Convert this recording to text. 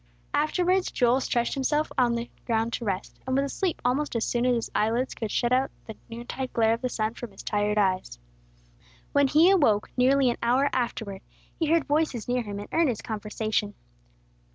Afterwards Joel stretched himself out on the ground to rest, and was asleep almost as soon as his eyelids could shut out the noontide glare of the sun from his tired eyes. When he awoke, nearly an hour afterward, he heard voices near him in earnest conversation.